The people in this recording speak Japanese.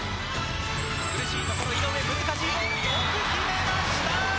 苦しいところ井上、難しいけどよく決めました。